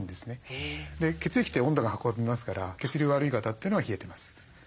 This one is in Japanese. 血液って温度が運びますから血流悪い方というのは冷えてます。